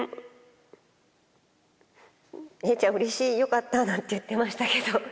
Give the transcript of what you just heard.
伊代ちゃん、うれしい、よかったなんて言ってましたけど。